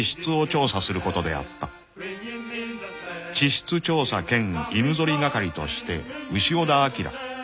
［地質調査兼犬ぞり係として潮田暁］